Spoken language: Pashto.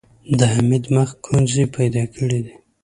د حميد مخ ګونځې پيدا کړې.